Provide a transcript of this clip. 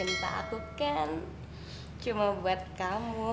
entah aku kan cuma buat kamu